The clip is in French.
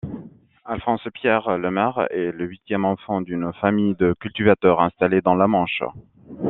Alphonse-Pierre Lemerre est le huitième enfant d'une famille de cultivateurs installée dans la Manche.